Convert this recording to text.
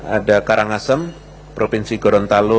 ada karangasem provinsi gorontalo